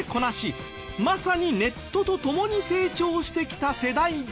まさにネットと共に成長してきた世代ですが。